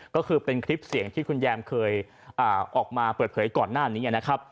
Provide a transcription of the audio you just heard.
ก็คือเป็นคลิปเสียงที่คุณแยมเคยออกมาเปิดเผยก่อนหน้านี้นะครับ